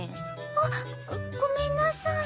あっごめんなさい。